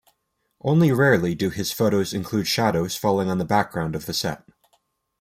Only rarely do his photos include shadows falling on the background of the set.